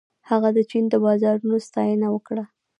هغه د چین د بازارونو ستاینه وکړه.